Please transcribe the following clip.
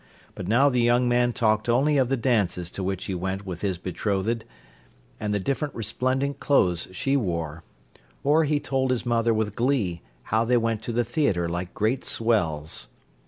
But now the young man talked only of the dances to which he went with his betrothed, and the different resplendent clothes she wore; or he told his mother with glee how they went to the theatre like great swells.